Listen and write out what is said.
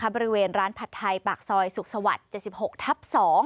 บริเวณร้านผัดไทยปากซอยสุขสวรรค์๗๖ทับ๒